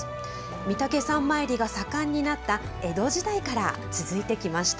御岳山参りが盛んになった江戸時代から続いてきました。